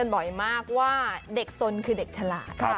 บ่อยมากว่าเด็กสนคือเด็กฉลาด